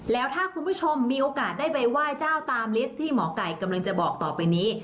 แล้วถ้าคุณผู้ชมมีโอกาสได้ไปไหว้เจ้าตามลิสต์ที่หมอไก่กำลังจะบอกต่อไปนี้